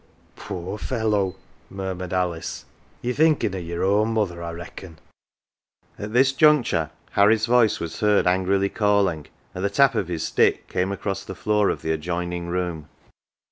" Poor fellow !" murmured Alice, " Ye're thinkin' o' yer own mother I reckon." At this juncture Harry's voice was heard angrily 245 "OUR JOE" calling, and the tap of his stick came across the floor of the adjoining room.